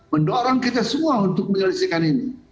mendorong kita semua untuk menyelesaikan ini